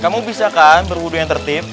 kamu bisa kan berwudhu yang tertib